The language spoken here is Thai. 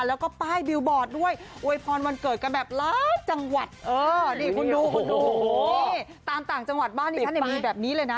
นี่คุณดูนี่ตามต่างจังหวัดบ้านท่านเนี่ยมีแบบนี้เลยนะ